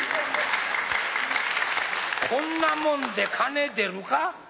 こんなもんで金出るか？